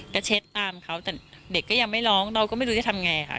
ก็เช็ดตามเขาแต่เด็กก็ยังไม่ร้องเราก็ไม่รู้จะทำไงค่ะ